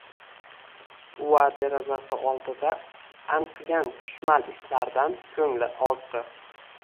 Ua derazasi oldida anqigan chuchmal islardan ko’ngli ozdi